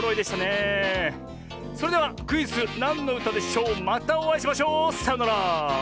それではクイズ「なんのうたでしょう」またおあいしましょう。さようなら！